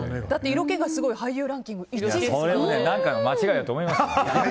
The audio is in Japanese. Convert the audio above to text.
色気がすごい俳優ランキング１位ですからね。